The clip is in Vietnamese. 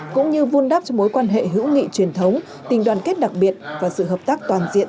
cũng như vun đắp cho mối quan hệ hữu nghị truyền thống tình đoàn kết đặc biệt và sự hợp tác toàn diện